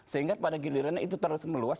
sehingga pada gilirannya itu terus meluas